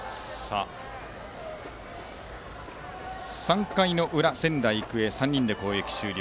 ３回の裏、仙台育英３人で攻撃終了。